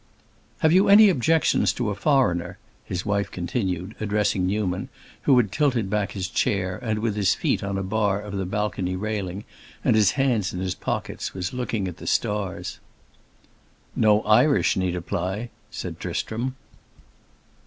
"Have you any objections to a foreigner?" his wife continued, addressing Newman, who had tilted back his chair and, with his feet on a bar of the balcony railing and his hands in his pockets, was looking at the stars. "No Irish need apply," said Tristram.